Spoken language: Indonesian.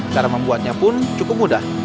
cara membuatnya pun cukup mudah